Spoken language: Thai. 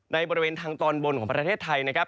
บริเวณทางตอนบนของประเทศไทยนะครับ